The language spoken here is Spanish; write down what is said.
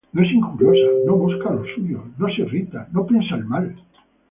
No es injuriosa, no busca lo suyo, no se irrita, no piensa el mal;